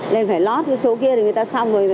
nên phải lót cái chỗ kia thì người ta xong rồi